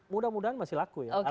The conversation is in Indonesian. mudah mudahan masih laku ya